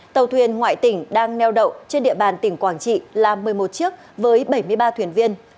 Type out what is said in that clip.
tàu thuyền ngoại tỉnh đang neo đậu trên địa bàn tỉnh quảng trị là một mươi một chiếc với bảy mươi ba thuyền viên